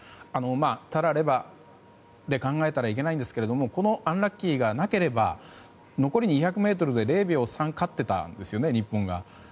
たらればで考えたらいけないんですけどこのアンラッキーがなければ残り２００ｍで０秒３勝っていたんですよね日本が。